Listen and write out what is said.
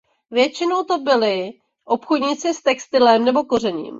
Většinou to byli obchodníci s textilem nebo kořením.